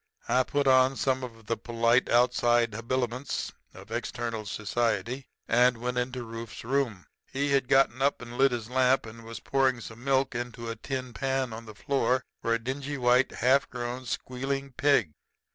"I put on some of the polite outside habiliments of external society and went into Rufe's room. He had gotten up and lit his lamp, and was pouring some milk into a tin pan on the floor for a dingy white, half grown, squealing pig.